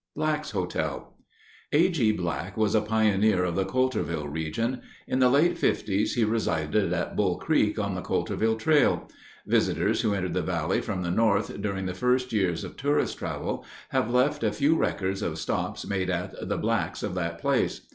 Black's Hotel A. G. Black was a pioneer of the Coulterville region. In the late 'fifties, he resided at Bull Creek on the Coulterville trail. Visitors who entered the valley from the north during the first years of tourist travel have left a few records of stops made at the "Black's" of that place.